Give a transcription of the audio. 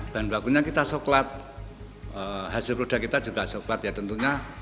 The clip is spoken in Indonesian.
dan bakunya kita coklat hasil produk kita juga coklat ya tentunya